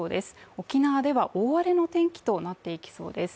沖縄では大荒れの天気となっていきそうです。